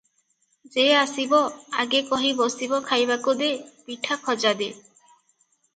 ଯେ ଆସିବ, ଆଗେ କହି ବସିବ ଖାଇବାକୁ ଦେ, ପିଠା ଖଜା ଦେ ।